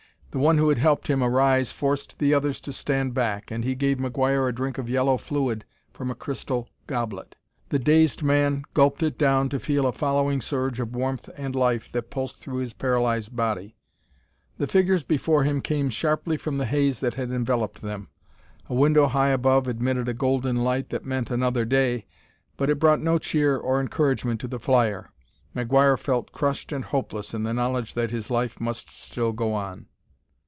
The one who had helped him arise forced the others to stand back, and he gave McGuire a drink of yellow fluid from a crystal goblet. The dazed man gulped it down to feel a following surge of warmth and life that pulsed through his paralyzed body. The figures before him came sharply from the haze that had enveloped them. A window high above admitted a golden light that meant another day, but it brought no cheer or encouragement to the flyer. McGuire felt crushed and hopeless in the knowledge that his life must still go on.